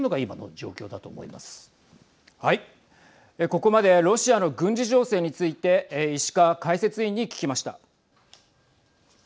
ここまでロシアの軍事情勢について石川解説委員に聞きました。